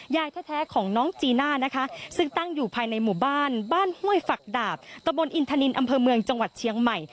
ยายแท้ของน้องจีน่านะคะซึ่งตั้งอยู่ภายในหมู่บ้านบ้านห้วยฝักดาบตะบนอินทนินอำเภอเมืองจังหวัดเชียงใหม่